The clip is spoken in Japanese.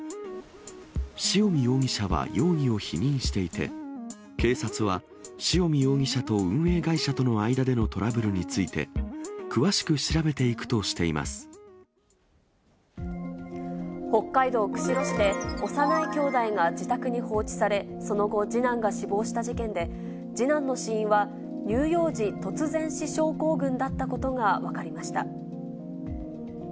塩見容疑者は容疑を否認していて、警察は、塩見容疑者と運営会社との間でのトラブルについて、詳しく調べて北海道釧路市で、幼い兄弟が自宅に放置され、その後、次男が死亡した事件で、次男の死因は、乳幼児突然死症候群だったことが分かりました。